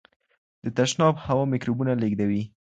د تشناب هوا میکروبونه لیږدوي.